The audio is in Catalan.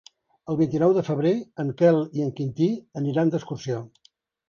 El vint-i-nou de febrer en Quel i en Quintí aniran d'excursió.